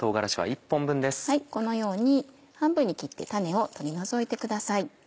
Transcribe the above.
このように半分に切って種を取り除いてください。